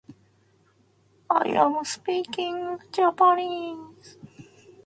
私は今日本語を話しています。